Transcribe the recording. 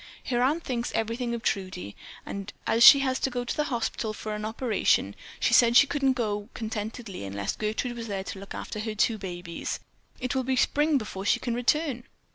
Her aunt thinks everything of Trudie, and as she has to go to the hospital for an operation, she said she just couldn't go contentedly unless Gertrude was there to look after her two babies. It will be spring before she can return."